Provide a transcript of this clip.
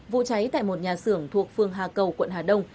vụ cháy tại một nhà xưởng thuộc phương hà cầu quận hà đông